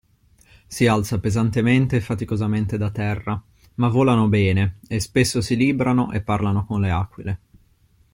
Si alza pesantemente e faticosamente da terra, ma volano bene, e spesso si librano e parlano con le aquile.